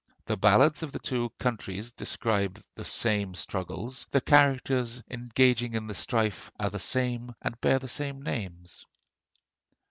The ballads of the two countries describe the same struggles, the characters engaging in the strife are the same and bear the same names."